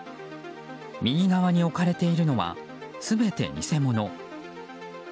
右側に置かれているのは全て偽物。